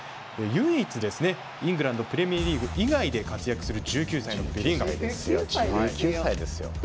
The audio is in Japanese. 唯一イングランドプレミアリーグ以外で活躍する１９歳ですよ。